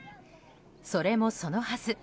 それもそのはず。